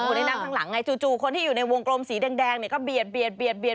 คนที่นั่งข้างหลังไงจู่คนที่อยู่ในวงโกรมสีแดงก็เบียดเบียดเบียด